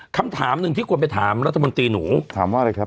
คำถามหนึ่งที่ควรไปถามรัฐมนตรีหนูถามว่าอะไรครับ